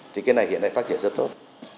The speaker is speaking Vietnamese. thì cái này hiện nay phát triển rất tốt